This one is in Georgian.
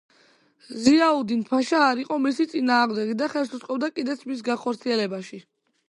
ზიაუდინ-ფაშა არ იყო მისი წინააღმდეგი და ხელს უწყობდა კიდეც მის განხორციელებაში.